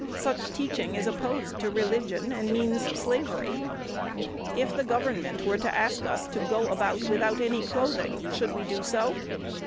Such teaching is opposed to religion and means slavery. If the government were to ask us to go about without any clothing, should we do so?